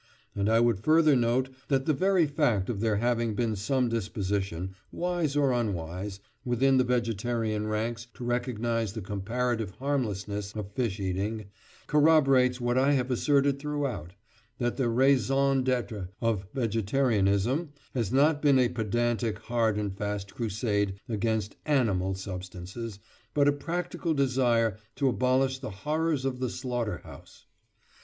And I would further note that the very fact of there having been some disposition, wise or unwise, within the vegetarian ranks to recognise the comparative harmlessness of fish eating, corroborates what I have asserted throughout—that the raison d'être of vegetarianism has not been a pedantic hard and fast crusade against "animal" substances, but a practical desire to abolish the horrors of the slaughter house.